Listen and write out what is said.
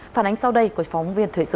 phản ánh sau đây của phóng viên thời sự